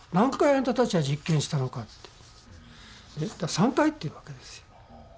「３回」って言うわけですよ。